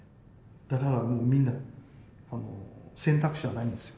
だからもうみんな選択肢はないんですよ。